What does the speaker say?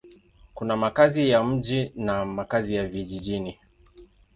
Kuna makazi ya mjini na makazi ya vijijini.